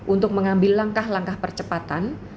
untuk mengambil langkah langkah percepatan